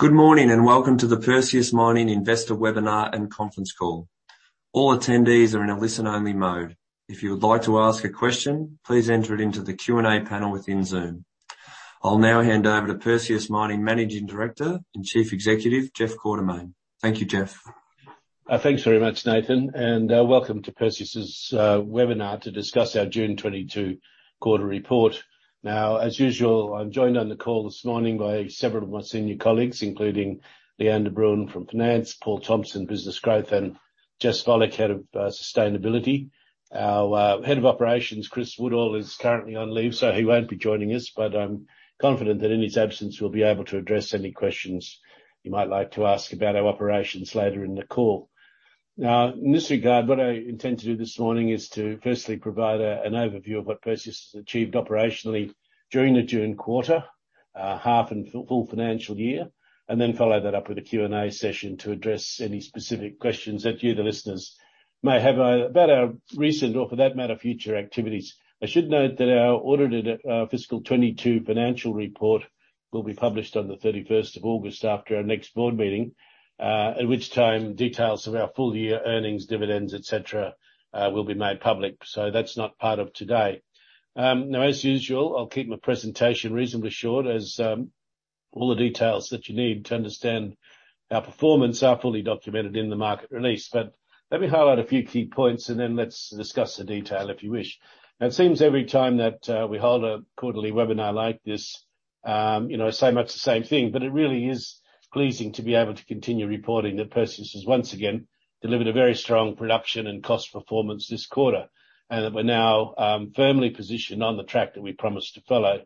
Good morning, and welcome to the Perseus Mining Investor Webinar and Conference Call. All attendees are in a listen-only mode. If you would like to ask a question, please enter it into the Q&A panel within Zoom. I'll now hand over to Perseus Mining Managing Director and Chief Executive, Jeff Quartermaine. Thank you, Jeff. Thanks very much, Nathan, and welcome to Perseus Mining's webinar to discuss our June 2022 quarter report. Now, as usual, I'm joined on the call this morning by several of my senior colleagues, including Lee-Anne de Bruin from Finance, Paul Thompson, Business Growth, and Jessica Volich, Head of Sustainability. Our Head of Operations, Chris Woodall, is currently on leave, so he won't be joining us, but I'm confident that in his absence, we'll be able to address any questions you might like to ask about our operations later in the call. In this regard, what I intend to do this morning is to firstly provide an overview of what Perseus has achieved operationally during the June quarter, half and full financial year, and then follow that up with a Q&A session to address any specific questions that you, the listeners, may have, either about our recent or for that matter, future activities. I should note that our audited fiscal 2022 financial report will be published on the August 31st after our next board meeting, at which time, details of our full year earnings, dividends, et cetera, will be made public. That's not part of today. Now, as usual, I'll keep my presentation reasonably short as all the details that you need to understand our performance are fully documented in the market release. Let me highlight a few key points, and then let's discuss the detail if you wish. Now, it seems every time that we hold a quarterly webinar like this, you know, I say much the same thing, but it really is pleasing to be able to continue reporting that Perseus has once again delivered a very strong production and cost performance this quarter. That we're now firmly positioned on the track that we promised to follow.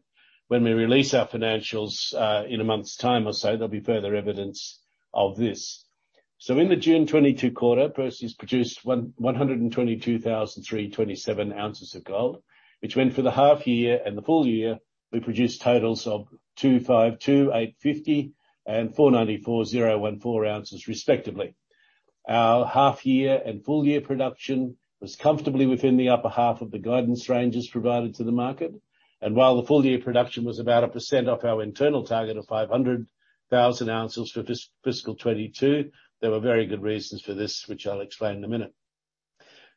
When we release our financials in a month's time or so, there'll be further evidence of this. In the June 2022 quarter, Perseus produced 112,327 ounces of gold, which, for the half year and the full year, we produced totals of 252,850 and 494,014 ounces respectively. Our half-year and full-year production was comfortably within the H1 of the guidance ranges provided to the market. While the full-year production was about 1% off our internal target of 500,000 ounces for fiscal 2022, there were very good reasons for this, which I'll explain in a minute.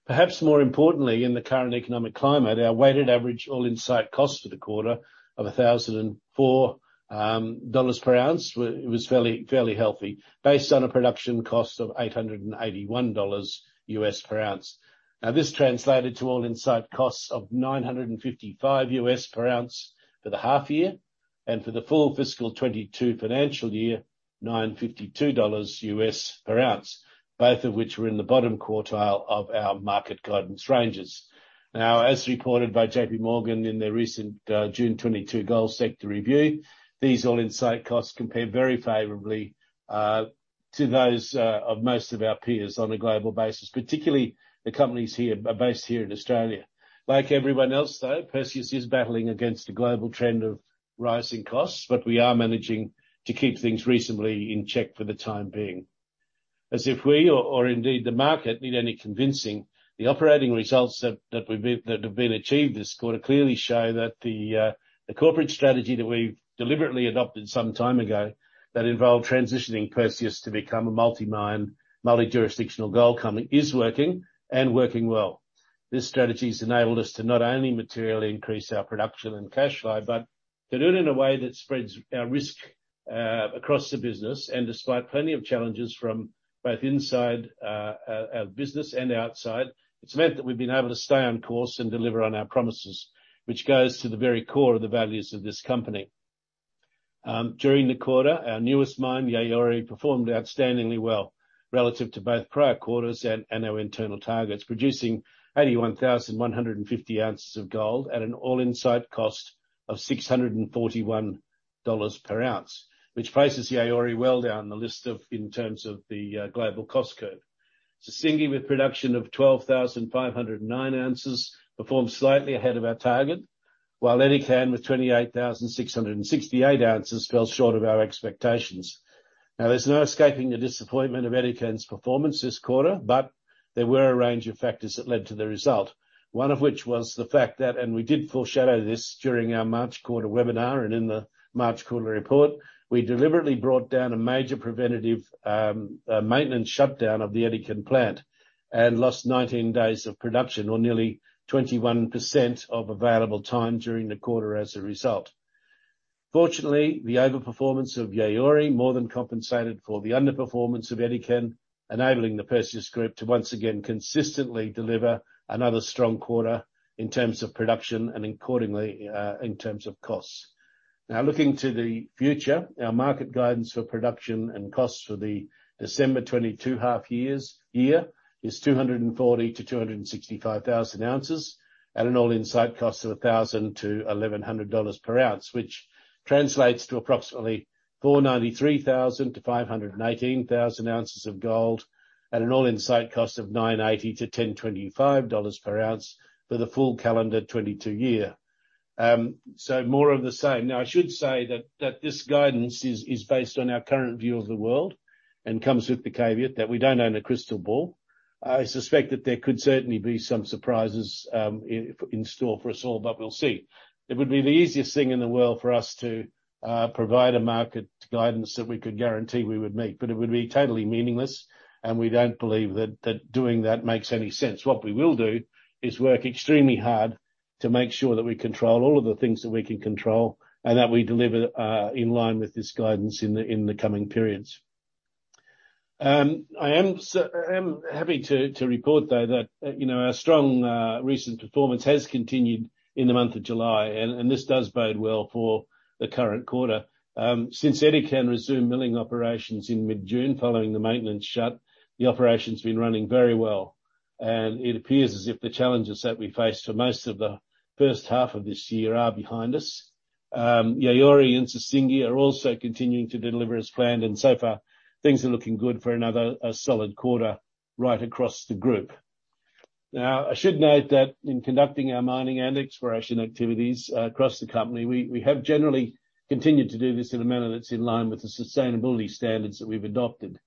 Perhaps more importantly, in the current economic climate, our weighted average all-in site cost for the quarter of $1,004 dollars per ounce was fairly healthy, based on a production cost of $881 U.S. per ounce. This translated to all-in site costs of $955 U.S. per ounce for the half year. For the full fiscal 2022 financial year, $952 dollars U.S. per ounce, both of which were in the bottom quartile of our market guidance ranges. Now, as reported by JPMorgan in their recent June 2022 gold sector review, these all-in site costs compare very favorably to those of most of our peers on a global basis, particularly the companies here are based here in Australia. Like everyone else, though, Perseus is battling against a global trend of rising costs, but we are managing to keep things reasonably in check for the time being. As if we or indeed the market need any convincing, the operating results that have been achieved this quarter clearly show that the corporate strategy that we've deliberately adopted some time ago that involved transitioning Perseus to become a multi-mine, multi-jurisdictional gold company is working and working well. This strategy's enabled us to not only materially increase our production and cash flow, but to do it in a way that spreads our risk across the business. Despite plenty of challenges from both inside our business and outside, it's meant that we've been able to stay on course and deliver on our promises, which goes to the very core of the values of this company. During the quarter, our newest mine, Yaouré, performed outstandingly well, relative to both prior quarters and our internal targets, producing 81,150 ounces of gold at an all-in site cost of $641 per ounce. Which places Yaouré well down the list in terms of the global cost curve. Sissingué, with production of 12,509 ounces, performed slightly ahead of our target. While Edikan, with 28,668 ounces, fell short of our expectations. Now, there's no escaping the disappointment of Edikan's performance this quarter, but there were a range of factors that led to the result. One of which was the fact that, and we did foreshadow this during our March quarter webinar and in the March quarter report, we deliberately brought forward a major preventative maintenance shutdown of the Edikan plant and lost 19 days of production or nearly 21% of available time during the quarter as a result. Fortunately, the overperformance of Yaouré more than compensated for the underperformance of Edikan, enabling the Perseus group to once again consistently deliver another strong quarter in terms of production and accordingly, in terms of costs. Now looking to the future, our market guidance for production and costs for the December 2022 half year is 240,000-265,000 ounces at an all-in site cost of $1,000-$1,100 per ounce, which translates to approximately 493,000-518,000 ounces of gold at an all-in site cost of $980-$1,025 per ounce for the full calendar 2022 year. More of the same. Now, I should say that this guidance is based on our current view of the world and comes with the caveat that we don't own a crystal ball. I suspect that there could certainly be some surprises in store for us all, but we'll see. It would be the easiest thing in the world for us to provide a market guidance that we could guarantee we would meet, but it would be totally meaningless, and we don't believe that doing that makes any sense. What we will do is work extremely hard to make sure that we control all of the things that we can control and that we deliver in line with this guidance in the coming periods. I am happy to report though that, you know, our strong recent performance has continued in the month of July, and this does bode well for the current quarter. Since Edikan resumed milling operations in mid-June following the maintenance shut, the operation's been running very well, and it appears as if the challenges that we faced for most of the H1 of this year are behind us. Yaouré and Sissingué are also continuing to deliver as planned, and so far things are looking good for another solid quarter right across the group. Now, I should note that in conducting our mining and exploration activities across the company, we have generally continued to do this in a manner that's in line with the sustainability standards that we've adopted.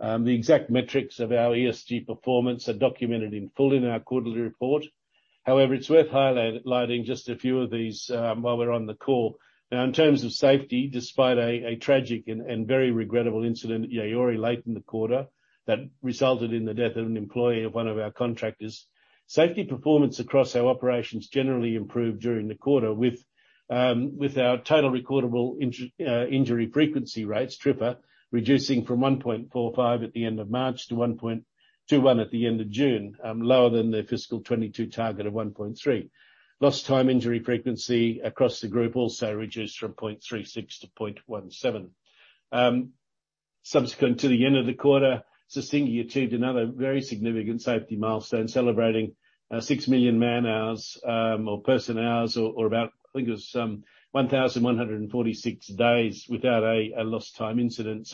The exact metrics of our ESG performance are documented in full in our quarterly report. However, it's worth highlighting just a few of these while we're on the call. Now, in terms of safety, despite a tragic and very regrettable incident at Yaouré late in the quarter that resulted in the death of an employee of one of our contractors, safety performance across our operations generally improved during the quarter with our total recordable injury frequency rates, TRIFR, reducing from 1.45 at the end of March to 1.21 at the end of June, lower than the fiscal 2022 target of 1.3. Lost time injury frequency across the group also reduced from 0.36 to 0.17. Subsequent to the end of the quarter, Sissingué achieved another very significant safety milestone, celebrating 6 million man-hours or person-hours or about, I think it was, 1,146 days without a lost time incident.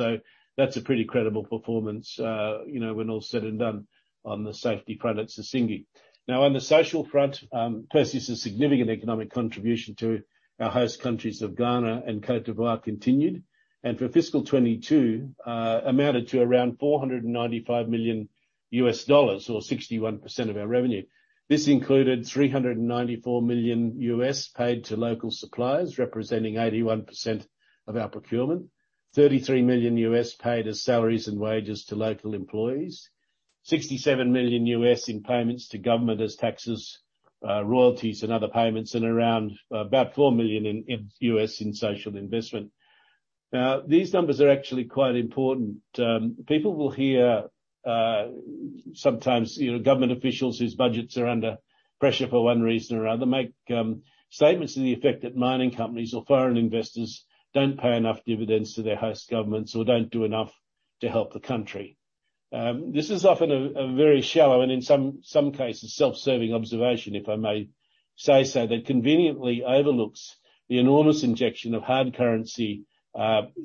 That's a pretty credible performance, you know, when all said and done on the safety front at Sissingué. Now, on the social front, Perseus' significant economic contribution to our host countries of Ghana and Côte d'Ivoire continued, and for fiscal 2022, amounted to around $495 million or 61% of our revenue. This included $394 million paid to local suppliers, representing 81% of our procurement. $33 million paid as salaries and wages to local employees. $67 million in payments to government as taxes, royalties, and other payments, and around $4 million in social investment. Now, these numbers are actually quite important. People will hear sometimes, you know, government officials whose budgets are under pressure for one reason or other make statements to the effect that mining companies or foreign investors don't pay enough dividends to their host governments or don't do enough to help the country. This is often a very shallow, and in some cases, self-serving observation, if I may say so, that conveniently overlooks the enormous injection of hard currency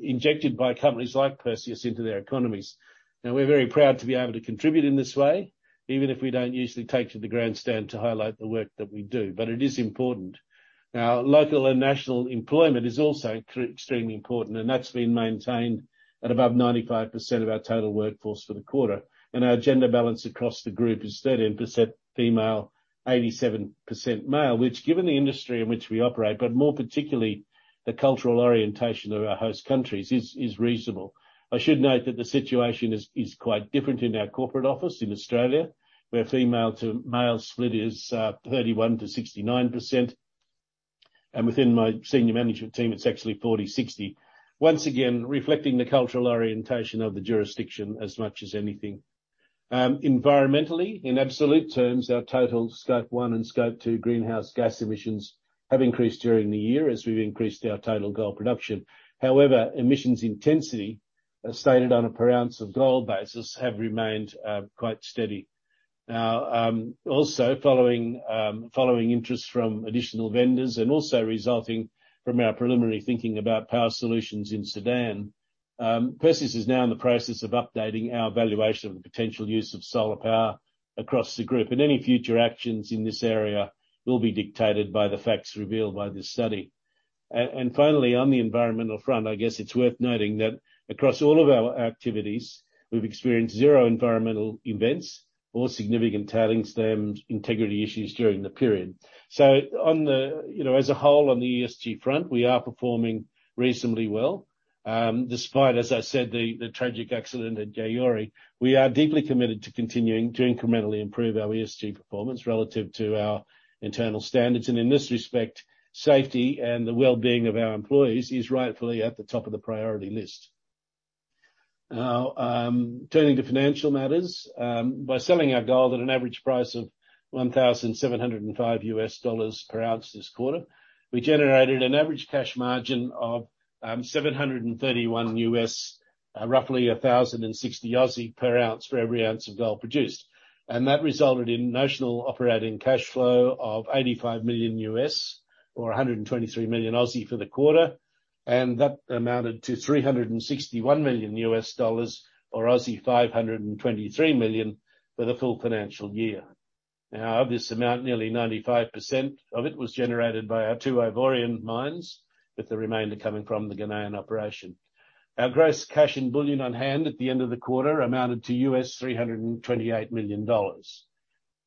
injected by companies like Perseus into their economies. Now, we're very proud to be able to contribute in this way, even if we don't usually take to the grandstand to highlight the work that we do. It is important. Now, local and national employment is also extremely important, and that's been maintained at above 95% of our total workforce for the quarter. Our gender balance across the group is 13% female, 87% male, which given the industry in which we operate, but more particularly the cultural orientation of our host countries, is reasonable. I should note that the situation is quite different in our corporate office in Australia, where female to male split is 31%-69%. Within my senior management team, it's actually 40-60. Once again, reflecting the cultural orientation of the jurisdiction as much as anything. Environmentally, in absolute terms, our total Scope 1 and Scope 2 greenhouse gas emissions have increased during the year as we've increased our total gold production. However, emissions intensity, as stated on a per ounce of gold basis, have remained quite steady. Now, also following interest from additional vendors and also resulting from our preliminary thinking about power solutions in Sudan, Perseus is now in the process of updating our valuation of the potential use of solar power across the group, and any future actions in this area will be dictated by the facts revealed by this study. Finally, on the environmental front, I guess it's worth noting that across all of our activities, we've experienced zero environmental events or significant tailings dam integrity issues during the period. On the, you know, as a whole on the ESG front, we are performing reasonably well. Despite, as I said, the tragic accident at Yaouré, we are deeply committed to continuing to incrementally improve our ESG performance relative to our internal standards. In this respect, safety and the well-being of our employees is rightfully at the top of the priority list. Now, turning to financial matters, by selling our gold at an average price of $1,705 per ounce this quarter, we generated an average cash margin of $731, roughly 1,060 per ounce for every ounce of gold produced. That resulted in net operating cash flow of $85 million or 123 million for the quarter. That amounted to $361 million or 523 million for the full financial year. Now, of this amount, nearly 95% of it was generated by our two Ivorian mines, with the remainder coming from the Ghanaian operation. Our gross cash and bullion on hand at the end of the quarter amounted to $328 million.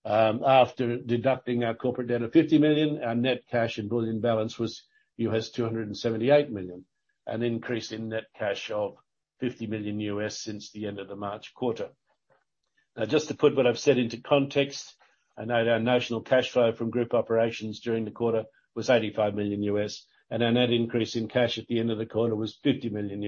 After deducting our corporate debt of $50 million, our net cash and bullion balance was $278 million, an increase in net cash of $50 million since the end of the March quarter. Now, just to put what I've said into context, I note our net cash flow from group operations during the quarter was $85 million, and our net increase in cash at the end of the quarter was $50 million.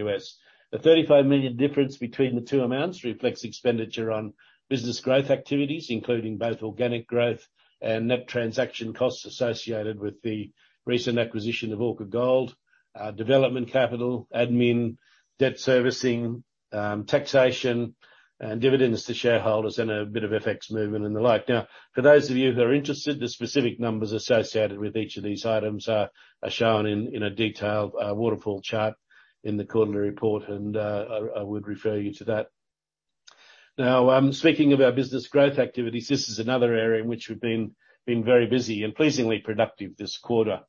The 35 million difference between the two amounts reflects expenditure on business growth activities, including both organic growth and net transaction costs associated with the recent acquisition of Orca Gold, development capital, admin, debt servicing, taxation and dividends to shareholders, and a bit of FX movement and the like. Now, for those of you who are interested, the specific numbers associated with each of these items are shown in a detailed waterfall chart in the quarterly report, and I would refer you to that. Now, speaking of our business growth activities, this is another area in which we've been very busy and pleasingly productive this quarter.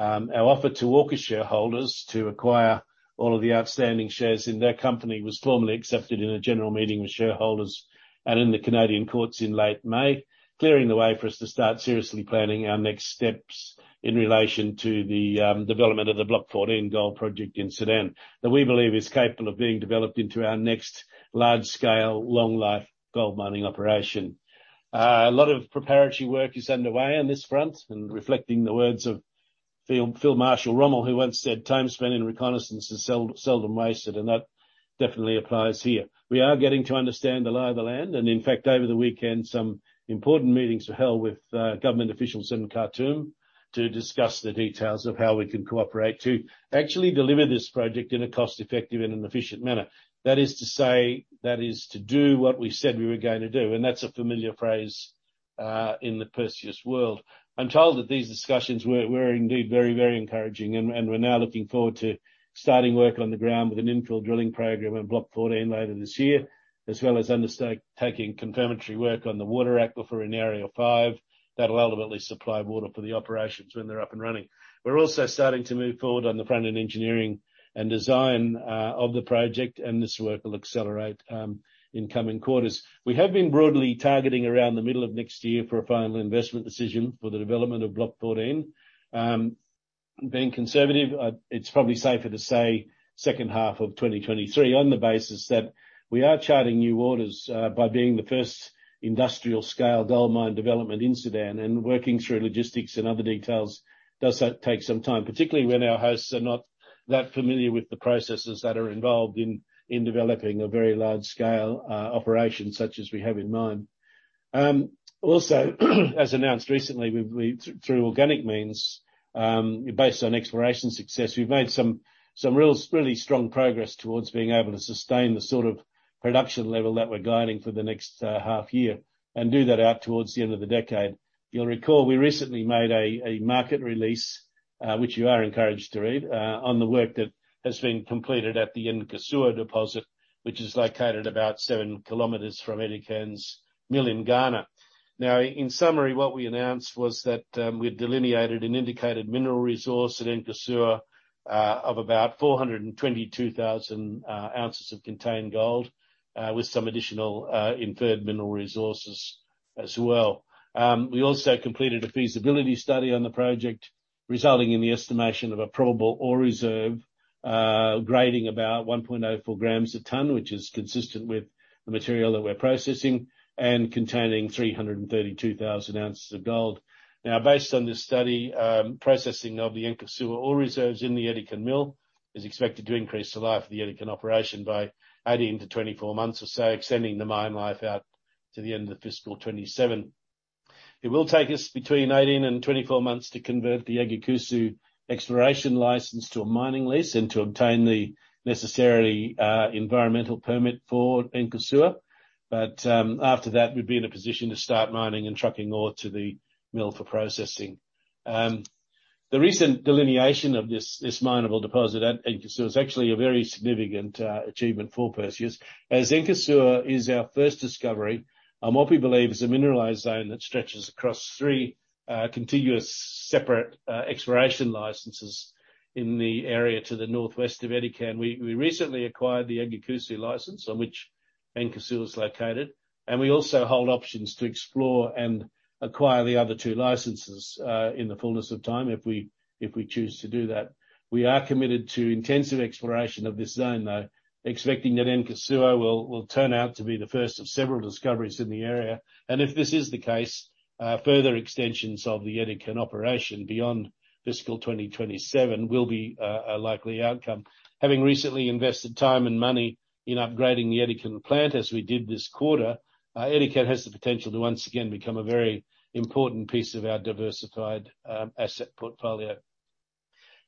Our offer to Orca shareholders to acquire all of the outstanding shares in their company was formally accepted in a general meeting with shareholders and in the Canadian courts in late May, clearing the way for us to start seriously planning our next steps in relation to the development of the Block 14 gold project in Sudan, that we believe is capable of being developed into our next large-scale, long-life gold mining operation. A lot of preparatory work is underway on this front, and reflecting the words of Field Marshal Erwin Rommel, who once said, "Time spent in reconnaissance is seldom wasted," and that definitely applies here. We are getting to understand the lay of the land, and in fact, over the weekend, some important meetings were held with government officials in Khartoum to discuss the details of how we can cooperate to actually deliver this project in a cost-effective and an efficient manner. That is to say, that is to do what we said we were going to do, and that's a familiar phrase in the Perseus world. I'm told that these discussions were indeed very encouraging and we're now looking forward to starting work on the ground with an infill drilling program at Block 14 later this year, as well as undertaking confirmatory work on the water aquifer in Area Five that will ultimately supply water for the operations when they're up and running. We're also starting to move forward on the front end engineering and design of the project, and this work will accelerate in coming quarters. We have been broadly targeting around the middle of next year for a final investment decision for the development of Block 14. Being conservative, it's probably safer to say second half of 2023 on the basis that we are charting new waters by being the first industrial-scale gold mine development in Sudan and working through logistics and other details does take some time, particularly when our hosts are not that familiar with the processes that are involved in developing a very large-scale operation such as we have in mind. Also, as announced recently, we through organic means, based on exploration success, we've made some really strong progress towards being able to sustain the sort of production level that we're guiding for the next half year and do that out towards the end of the decade. You'll recall we recently made a market release, which you are encouraged to read, on the work that has been completed at the Nkursua deposit, which is located about 7 km from Edikan's mill in Ghana. Now, in summary, what we announced was that we'd delineated an indicated mineral resource at Nkursua of about 422,000 ounces of contained gold with some additional inferred mineral resources as well. We also completed a feasibility study on the project, resulting in the estimation of a probable ore reserve, grading about 1.04 grams a ton, which is consistent with the material that we're processing and containing 332,000 ounces of gold. Now, based on this study, processing of the Nkursua ore reserves in the Edikan mill is expected to increase the life of the Edikan operation by 18 months-24 months or so, extending the mine life out to the end of fiscal 2027. It will take us between 18 and 24 months to convert the Agyakusu exploration license to a mining lease and to obtain the necessary environmental permit for Nkursua. After that, we'd be in a position to start mining and trucking ore to the mill for processing. The recent delineation of this mineable deposit at Nkursua is actually a very significant achievement for Perseus, as Nkursua is our first discovery on what we believe is a mineralized zone that stretches across three contiguous, separate exploration licenses in the area to the northwest of Edikan. We recently acquired the Agyakusu license on which Nkursua is located, and we also hold options to explore and acquire the other two licenses in the fullness of time if we choose to do that. We are committed to intensive exploration of this zone, though, expecting that Nkursua will turn out to be the first of several discoveries in the area. If this is the case, further extensions of the Edikan operation beyond fiscal 2027 will be a likely outcome. Having recently invested time and money in upgrading the Edikan plant as we did this quarter, Edikan has the potential to once again become a very important piece of our diversified asset portfolio.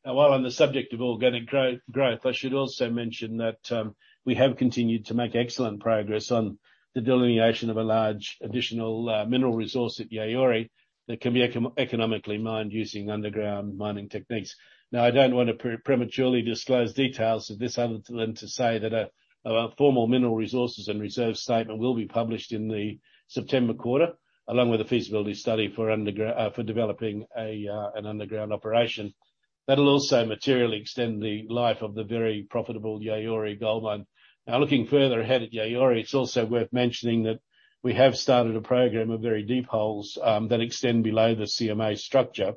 Now, while on the subject of organic growth, I should also mention that we have continued to make excellent progress on the delineation of a large additional mineral resource at Yaouré that can be economically mined using underground mining techniques. Now, I don't want to prematurely disclose details of this other than to say that our formal mineral resources and reserve statement will be published in the September quarter, along with a feasibility study for developing an underground operation. That'll also materially extend the life of the very profitable Yaouré gold mine. Now, looking further ahead at Yaouré, it's also worth mentioning that we have started a program of very deep holes that extend below the CMA structure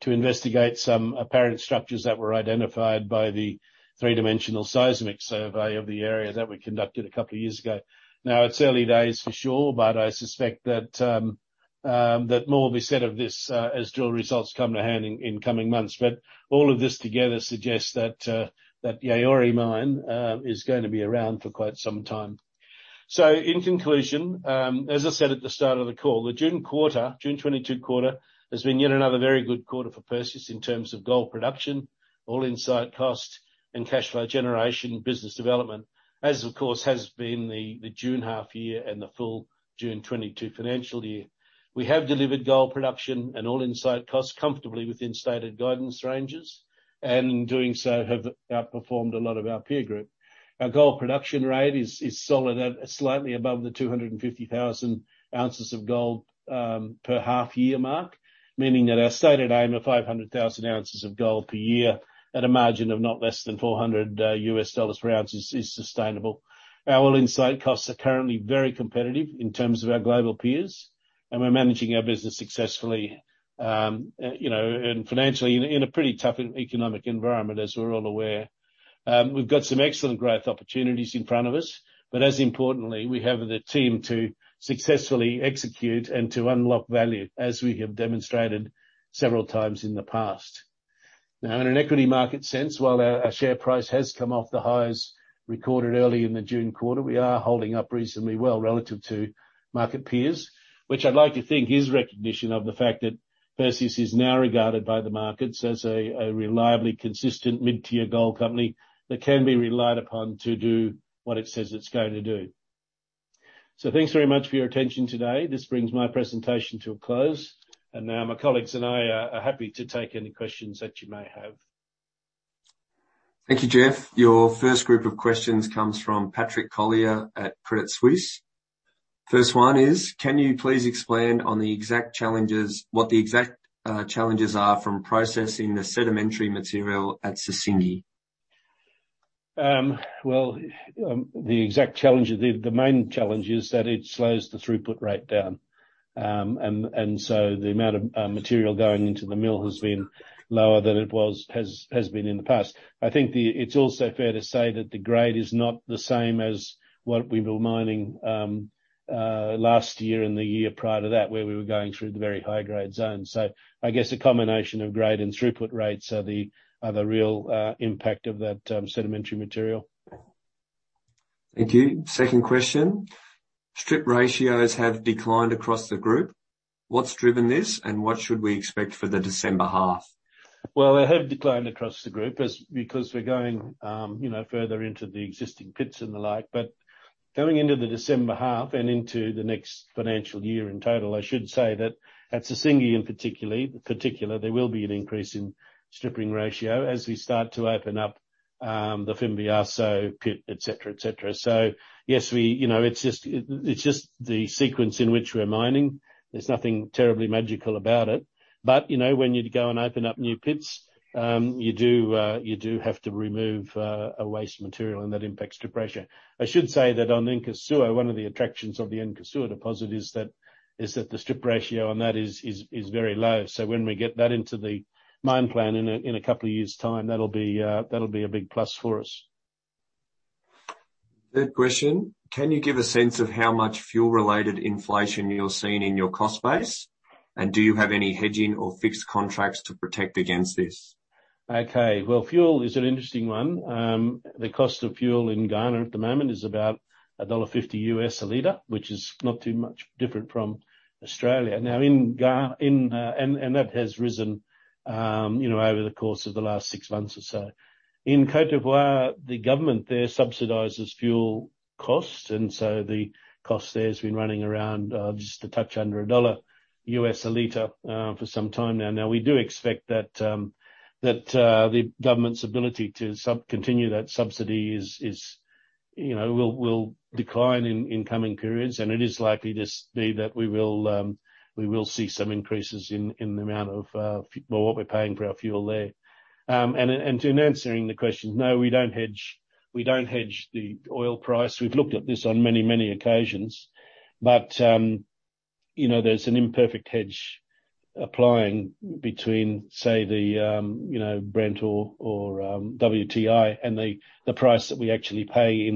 to investigate some apparent structures that were identified by the three-dimensional seismic survey of the area that we conducted a couple of years ago. Now, it's early days for sure, but I suspect that more will be said of this as drill results come to hand in coming months. All of this together suggests that Yaouré mine is gonna be around for quite some time. In conclusion, as I said at the start of the call, the June quarter, June 2022 quarter, has been yet another very good quarter for Perseus Mining in terms of gold production, all-in site cost and cash flow generation business development, as of course has been the June half year and the full June 2022 financial year. We have delivered gold production and all-in site costs comfortably within stated guidance ranges, and in doing so, have outperformed a lot of our peer group. Our gold production rate is solid at slightly above the 250,000 ounces of gold per half year mark, meaning that our stated aim of 500,000 ounces of gold per year at a margin of not less than $400 per ounce is sustainable. Our all-in site costs are currently very competitive in terms of our global peers, and we're managing our business successfully, you know, and financially in a pretty tough economic environment, as we're all aware. We've got some excellent growth opportunities in front of us, but as importantly, we have the team to successfully execute and to unlock value as we have demonstrated several times in the past. Now, in an equity market sense, while our share price has come off the highs recorded early in the June quarter, we are holding up reasonably well relative to market peers, which I'd like to think is recognition of the fact that Perseus is now regarded by the markets as a reliably consistent mid-tier gold company that can be relied upon to do what it says it's going to do. Thanks very much for your attention today. This brings my presentation to a close, and now my colleagues and I are happy to take any questions that you may have. Thank you, Jeff. Your first group of questions comes from Patrick Collier at Credit Suisse. First one is, can you please explain what the exact challenges are from processing the sedimentary material at Sissingué? Well, the main challenge is that it slows the throughput rate down. The amount of material going into the mill has been lower than it has been in the past. I think it's also fair to say that the grade is not the same as what we were mining last year and the year prior to that, where we were going through the very high-grade zones. I guess a combination of grade and throughput rates are the real impact of that sedimentary material. Thank you. Second question. Strip ratios have declined across the group. What's driven this, and what should we expect for the December half? Well, they have declined across the group because we're going, you know, further into the existing pits and the like, but going into the December half and into the next financial year in total, I should say that at Sissingué in particular, there will be an increase in stripping ratio as we start to open up the Fimbiasso pit, et cetera. Yes, you know, it's just the sequence in which we're mining. There's nothing terribly magical about it. You know, when you go and open up new pits, you do have to remove a waste material, and that impacts strip ratio. I should say that on Nkursua, one of the attractions of the Nkursua deposit is that the strip ratio on that is very low. When we get that into the mine plan in a couple of years' time, that'll be a big plus for us. Third question. Can you give a sense of how much fuel-related inflation you're seeing in your cost base? And do you have any hedging or fixed contracts to protect against this? Okay. Well, fuel is an interesting one. The cost of fuel in Ghana at the moment is about $1.50 a liter, which is not too much different from Australia. Now, in Ghana, that has risen, you know, over the course of the last six months or so. In Côte d'Ivoire, the government there subsidizes fuel costs, and so the cost there has been running around just a touch under $1 a liter for some time now. Now, we do expect that the government's ability to continue that subsidy you know will decline in coming periods, and it is likely be that we will see some increases in the amount of well, what we're paying for our fuel there. In answering the question, no, we don't hedge. We don't hedge the oil price. We've looked at this on many occasions, but you know, there's an imperfect hedge applying between, say, you know, Brent or WTI and the price that we actually pay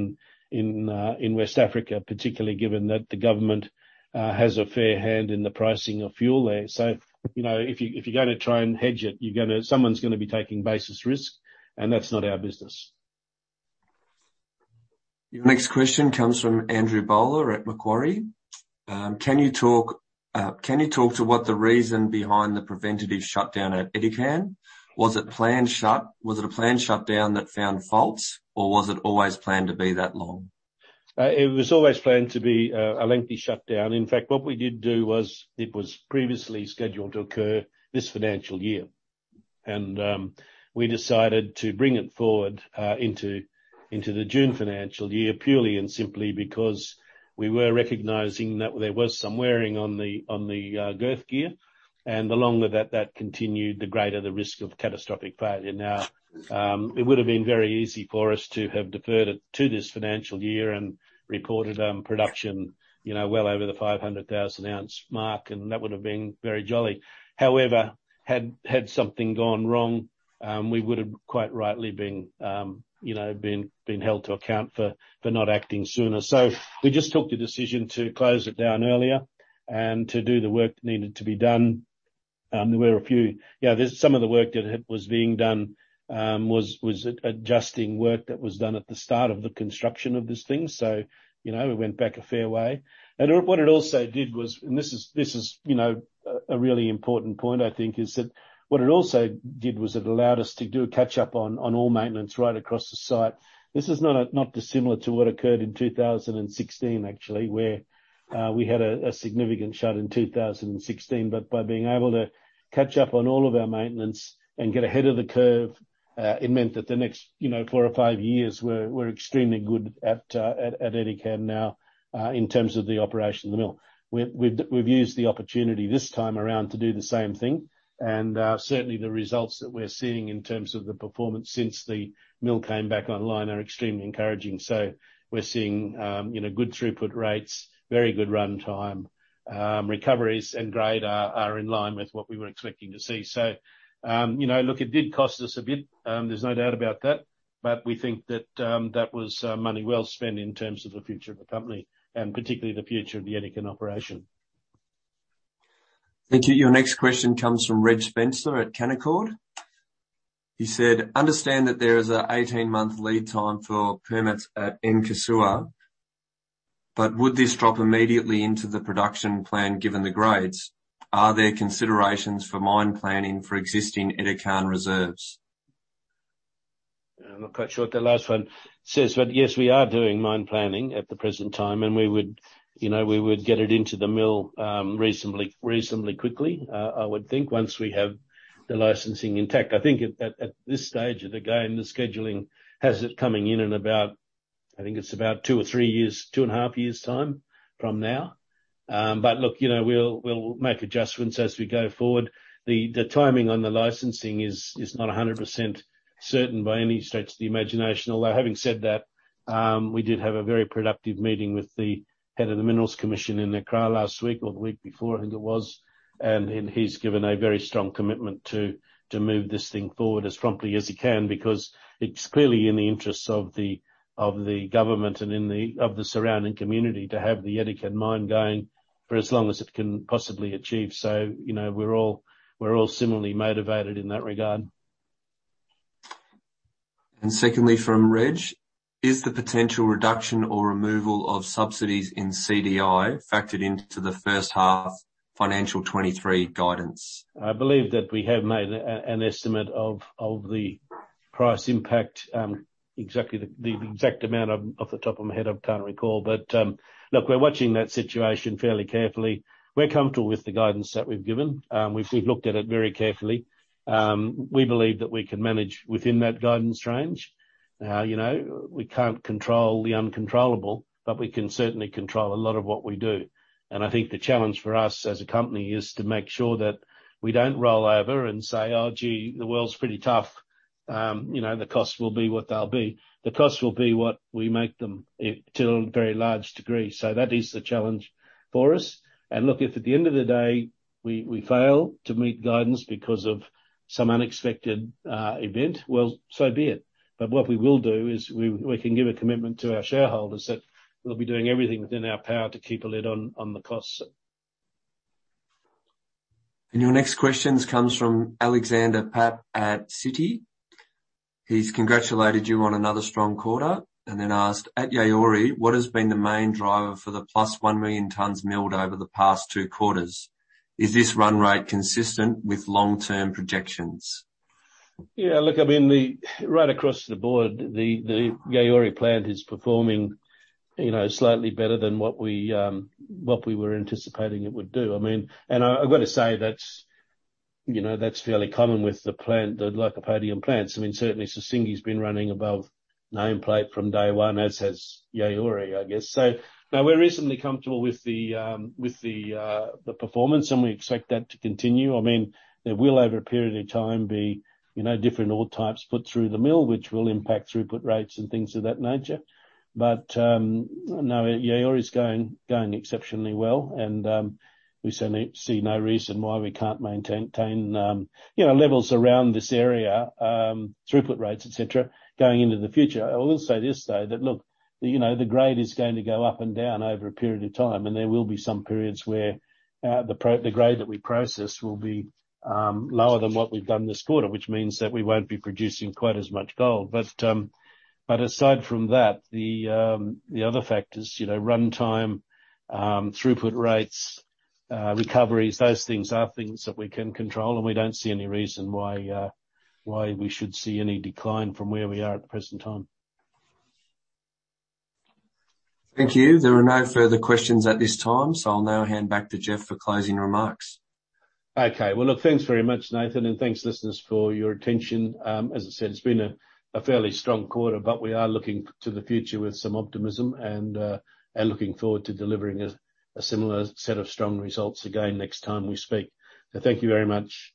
in West Africa, particularly given that the government has a fair hand in the pricing of fuel there. You know, if you're gonna try and hedge it, someone's gonna be taking basis risk, and that's not our business. Your next question comes from Andrew Grove at Macquarie. Can you talk to what the reason behind the preventative shutdown at Edikan? Was it a planned shutdown that found faults, or was it always planned to be that long? It was always planned to be a lengthy shutdown. In fact, what we did do was it was previously scheduled to occur this financial year. We decided to bring it forward into the June financial year, purely and simply because we were recognizing that there was some wearing on the girth gear. The longer that continued, the greater the risk of catastrophic failure. Now, it would have been very easy for us to have deferred it to this financial year and reported production, you know, well over the 500,000 ounce mark, and that would have been very jolly. However, had something gone wrong, we would have quite rightly been, you know, held to account for not acting sooner. We just took the decision to close it down earlier and to do the work needed to be done. There were a few. There's some of the work that was being done, adjusting work that was done at the start of the construction of this thing. You know, it went back a fair way. What it also did was, this is a really important point, I think, is that what it also did was it allowed us to do a catch-up on all maintenance right across the site. This is not dissimilar to what occurred in 2016, actually, where we had a significant shut in 2016. By being able to catch up on all of our maintenance and get ahead of the curve, it meant that the next, you know, four or five years we're extremely good at Edikan now, in terms of the operation of the mill. We've used the opportunity this time around to do the same thing. Certainly the results that we're seeing in terms of the performance since the mill came back online are extremely encouraging. We're seeing, you know, good throughput rates, very good run time. Recoveries and grade are in line with what we were expecting to see. You know, look, it did cost us a bit, there's no doubt about that. We think that was money well spent in terms of the future of the company and particularly the future of the Edikan operation. Thank you. Your next question comes from Reg Spencer at Canaccord Genuity. He said, "Understand that there is an 18-month lead time for permits at Nkursua, but would this drop immediately into the production plan given the grades? Are there considerations for mine planning for existing Edikan reserves? I'm not quite sure what the last one says, but yes, we are doing mine planning at the present time, and we would, you know, get it into the mill reasonably quickly, I would think, once we have the licensing intact. I think at this stage of the game, the scheduling has it coming in in about, I think it's about 2 years or 3 years, 2.5 years' time from now. Look, you know, we'll make adjustments as we go forward. The timing on the licensing is not 100% certain by any stretch of the imagination. Although, having said that, we did have a very productive meeting with the head of the Minerals Commission in Accra last week or the week before, I think it was. He's given a very strong commitment to move this thing forward as promptly as he can, because it's clearly in the interests of the government and in the interests of the surrounding community to have the Edikan mine going for as long as it can possibly achieve. You know, we're all similarly motivated in that regard. Secondly, from Reg: Is the potential reduction or removal of subsidies in CDI factored into the H1 financial 2023 guidance? I believe that we have made an estimate of the price impact. Exactly the exact amount, off the top of my head I can't recall. Look, we're watching that situation fairly carefully. We're comfortable with the guidance that we've given. We've looked at it very carefully. We believe that we can manage within that guidance range. You know, we can't control the uncontrollable, but we can certainly control a lot of what we do. I think the challenge for us as a company is to make sure that we don't roll over and say, "Oh, gee, the world's pretty tough." You know, the costs will be what they'll be. The costs will be what we make them to a very large degree. That is the challenge for us. Look, if at the end of the day we fail to meet guidance because of some unexpected event, well, so be it. What we will do is we can give a commitment to our shareholders that we'll be doing everything within our power to keep a lid on the costs. Your next question comes from Alexander Papp at Citi. He's congratulated you on another strong quarter and then asked, "At Yaouré, what has been the main driver for the +1 million tons milled over the past two quarters? Is this run rate consistent with long-term projections? Yeah, look, I mean, right across the board, the Yaouré plant is performing, you know, slightly better than what we were anticipating it would do. I mean, I've got to say that's, you know, that's fairly common with the plant, the Lycopodium plants. I mean, certainly Sissingué's been running above nameplate from day one, as has Yaouré, I guess. No, we're reasonably comfortable with the performance, and we expect that to continue. I mean, there will, over a period of time, be, you know, different ore types put through the mill, which will impact throughput rates and things of that nature. No, Yaouré is going exceptionally well, and we certainly see no reason why we can't maintain, you know, levels around this area, throughput rates, et cetera, going into the future. I will say this, though, that look, you know, the grade is going to go up and down over a period of time, and there will be some periods where, the grade that we process will be, lower than what we've done this quarter, which means that we won't be producing quite as much gold. Aside from that, the other factors, you know, runtime, throughput rates, recoveries, those things are things that we can control, and we don't see any reason why we should see any decline from where we are at the present time. Thank you. There are no further questions at this time, so I'll now hand back to Jeff for closing remarks. Okay. Well, look, thanks very much, Nathan. Thanks listeners for your attention. As I said, it's been a fairly strong quarter, but we are looking to the future with some optimism and looking forward to delivering a similar set of strong results again next time we speak. Thank you very much.